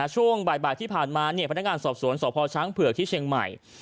ช่วงบ่ายที่ผ่านมาพนักงานสอบสวนสพช้างเผือกที่เชียงใหม่